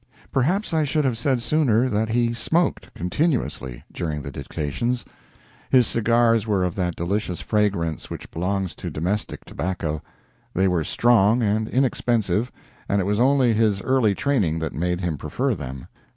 Perhaps I should have said sooner that he smoked continuously during the dictations. His cigars were of that delicious fragrance which belongs to domestic tobacco. They were strong and inexpensive, and it was only his early training that made him prefer them.